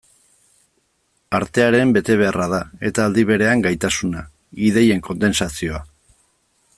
Artearen betebeharra da, eta aldi berean gaitasuna, ideien kondentsazioa.